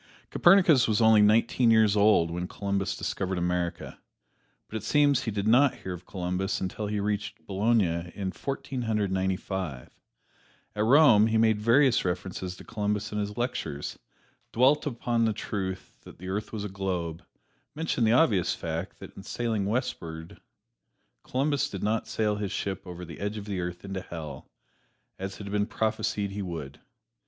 Copernicus was only nineteen years old when Columbus discovered America, but it seems he did not hear of Columbus until he reached Bologna in Fourteen Hundred Ninety five. At Rome he made various references to Columbus in his lectures; dwelt upon the truth that the earth was a globe; mentioned the obvious fact that in sailing westward Columbus did not sail his ship over the edge of the earth into Hell, as had been prophesied he would.